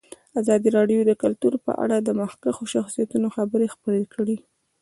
ازادي راډیو د کلتور په اړه د مخکښو شخصیتونو خبرې خپرې کړي.